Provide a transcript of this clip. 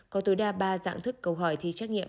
có tối đa ba dạng thức câu hỏi thi trắc nghiệm